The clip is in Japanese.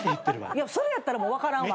それやったらもう分からんわ。